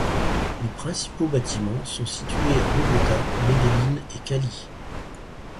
Les principaux bâtiments sont situés à Bogota, Medellín et Cali.